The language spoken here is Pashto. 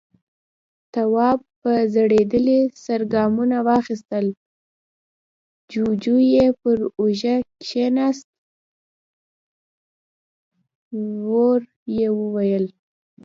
تواب په ځړېدلي سر ګامونه واخيستل، جُوجُو يې پر اوږه کېناست، ورو يې وويل: